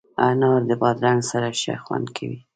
انار د بادرنګ سره ښه خوند کوي.